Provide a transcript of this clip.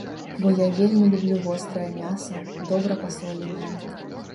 Бо я вельмі люблю вострае мяса, добра пасоленае.